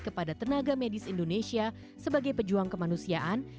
kepada tenaga medis indonesia sebagai pejuang kemanusiaan